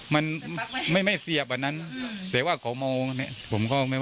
มีพี่พี่ข้างเนี้ยโทรแจ้งบอกว่ามีคนนอนอยู่